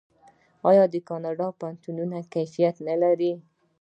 آیا د کاناډا پوهنتونونه کیفیت نلري؟